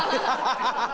ハハハハ！